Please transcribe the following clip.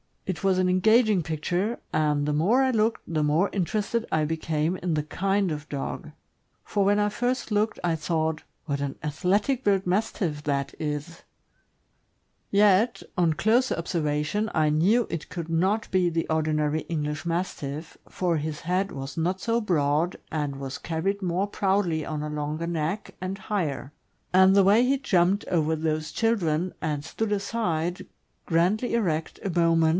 It was an engaging picture, and the more I looked the more interested I became in the "kind " of dog; for when I first looked I thought, "What an athletic built Mastiff that is;" yet, on closer observation, I knew it could not be the ordinary English Mastiff, for his head was not so broad, and was carried more proudly on a longer neck, and higher; and the way he jumped over those children, and stood aside, grandly erect, a moment, THE GREAT DANE.